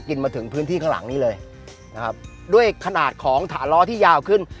มาถึงพื้นที่ข้างหลังนี้เลยนะครับด้วยขนาดของถาล้อที่ยาวขึ้น